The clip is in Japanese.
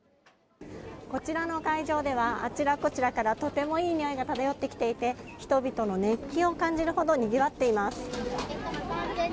こちらの会場ではあちらこちらからとてもいいにおいが漂っていて人々の熱気を感じるほどにぎわっています。